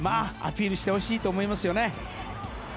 アピールしてほしいと思いますね。